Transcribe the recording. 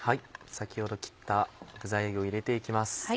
先ほど切った具材を入れて行きます。